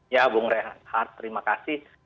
ya bung rehat terima kasih